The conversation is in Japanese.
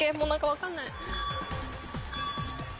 分かんない。